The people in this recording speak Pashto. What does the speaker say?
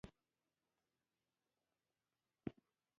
حرص او تمي وو تر دامه راوستلی